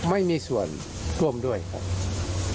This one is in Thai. ไม่มีส่วนร่วมด้วยครับ